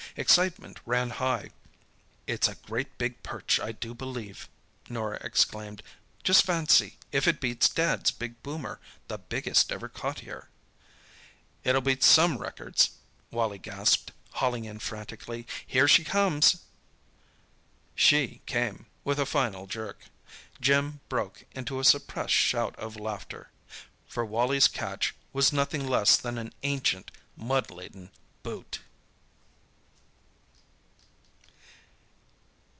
Excitement ran high. "It's a great big perch, I do believe," Norah exclaimed. "Just fancy, if it beats Dad's big boomer—the biggest ever caught here." "It'll beat some records," Wally gasped, hauling in frantically. "Here she comes!" "She" came, with a final jerk. Jim broke into a suppressed shout of laughter. For Wally's catch was nothing less than an ancient, mud laden boot!